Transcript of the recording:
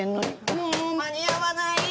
もう間に合わない！